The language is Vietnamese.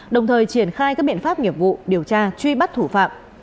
đồng thời triển khai các biện pháp nghiệp vụ điều tra truy bắt thủ phạm